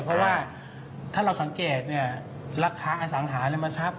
เพราะว่าถ้าเราสังเกตอสังหาริมัศัพท์